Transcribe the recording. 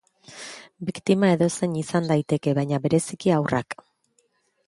Biktima edozein izan daiteke baina bereziki haurrak.